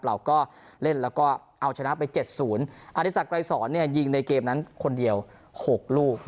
เราก็เล่นแล้วก็เอาชนะไปเจ็ดศูนย์อธิสักรายศรเนี้ยยิงในเกมนั้นคนเดียวหกลูก